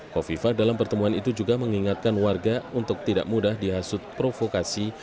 kofifah dalam pertemuan itu juga mengingatkan warga untuk tidak mudah dihasut provokasi